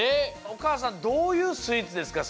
おかあさんどういうスイーツですか？